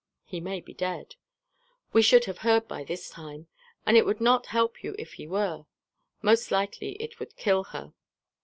"He may be dead." "We should have heard by this time; and it would not help you if he were. Most likely it would kill her."